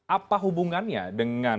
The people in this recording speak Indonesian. apa hubungannya dengan